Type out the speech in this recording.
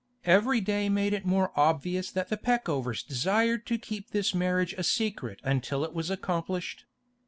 Every day made it more obvious that the Peckovers desired to keep this marriage a secret until it was accomplished.